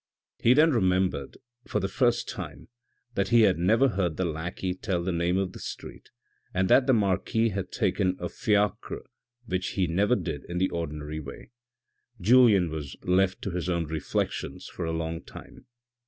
He then remembered for the first time that he had never heard the lackey tell the name of the street, and that the marquis had taken a fiacre which he never did in the ordinary way. Julien was left to his own reflections for a long time.